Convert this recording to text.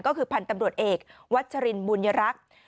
ก็คือพันธ์ตำรวจเอกวัชรินบุญยรักษ์